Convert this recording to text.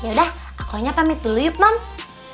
ya udah aku aja pamit dulu yuk moms